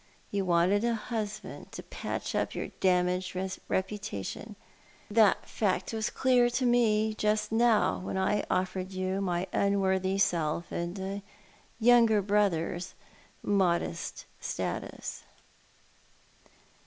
You wanted a husband to patch up your damaged reputation — that fact was clear to me just now when I offered yon my unworthy gelf and a younger brother's modest status.